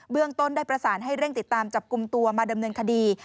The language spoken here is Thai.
เรื่องต้นได้ประสานให้เร่งติดตามจับกลุ่มตัวมาดำเนินคดี